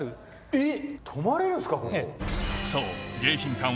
えっ！